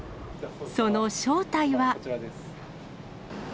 その正体は。